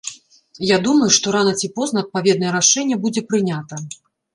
Я думаю, што рана ці позна адпаведнае рашэнне будзе прынята.